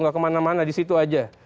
gak kemana mana di situ aja